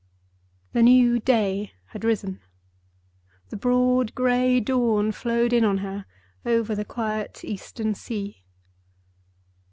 The new day had risen. The broad gray dawn flowed in on her, over the quiet eastern sea.